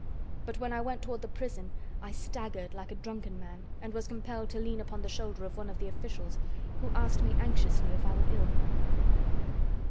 But when I went toward the prison I staggered like a drunken man and was compelled to lean upon the shoulder of one of the officials, who asked me anxiously if I were ill.